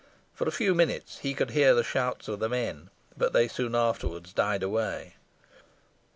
For a few minutes he could hear the shouts of the men, but they soon afterwards died away.